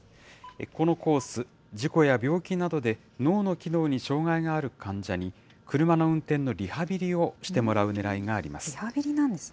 このコース、事故や病気などで脳の機能に障害がある患者に、車の運転のリハビリをしてもらうねらいがあります。